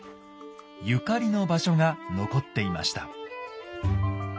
ゆかりの場所が残っていました。